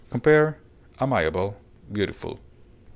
Compare AMIABLE; BEAUTIFUL.